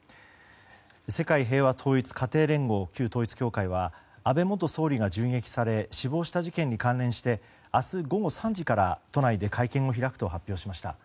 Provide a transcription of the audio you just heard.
世界平和統一家庭連合旧統一教会は安倍元総理が銃撃され死亡した事件に関連して明日午後３時から都内で会見を開くと発表しました。